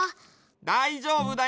だいじょうぶだよ。